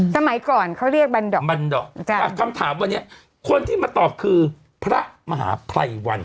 สมัยก่อนเขาเรียกบันดอกบันดอกจ้ะคำถามวันนี้คนที่มาตอบคือพระมหาภัยวัน